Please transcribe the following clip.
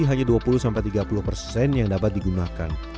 hanya dua puluh tiga puluh persen yang dapat digunakan